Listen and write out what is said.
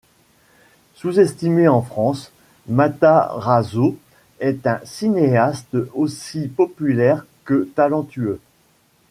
Sous-estimé en France, Matarazzo est un cinéaste aussi populaire que talentueux.